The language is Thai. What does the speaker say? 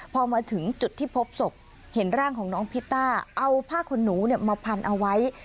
พอมาถึงจุดที่พบศพเห็นร่างของน้องพิตต้าเอาผ้าขนหนูมาพันเอาไว้